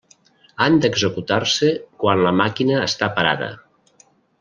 Han d'executar-se quan la màquina està parada.